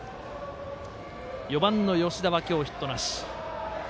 ４番の吉田は今日ヒットなし。